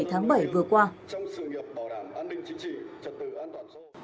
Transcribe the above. trong sự nghiệp bảo đảm an ninh chính trị trật tự an toàn số